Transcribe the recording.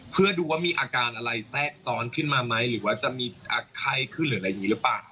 เพื่อดูว่ามีอาการอะไรแทรกซ้อนขึ้นมาไหมหรือว่าจะมีไข้ขึ้นหรืออะไรอย่างนี้หรือเปล่า